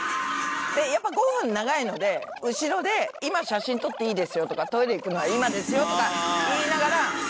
「やっぱ５分は長いので後ろで“今写真撮っていいですよ”とか“トイレ行くのは今ですよ”とか言いながら」